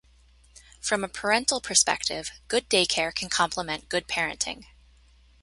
From a parental perspective, good daycare can complement good parenting.